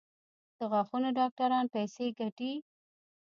د غاښونو ډاکټران پیسې ګټي؟